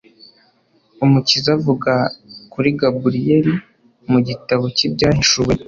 Umukiza avuga kuri Gaburiyeli mu gitabo cy'Ibyahishuwe